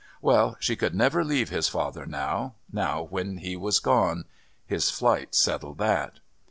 Well, she could never leave his father now, now when he was gone. His flight settled that.